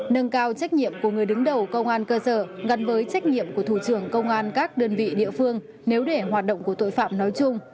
nâng cao trách nhiệm của người đứng đầu công an cơ sở gắn với trách nhiệm của thủ trưởng công an các đơn vị địa phương nếu để hoạt động của tội phạm nói chung